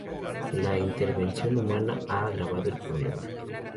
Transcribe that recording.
La intervención humana ha agravado el problema.